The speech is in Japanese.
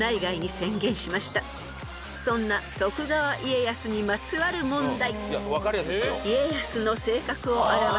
［そんな徳川家康にまつわる問題］